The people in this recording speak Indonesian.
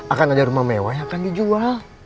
akan ada rumah mewah yang akan dijual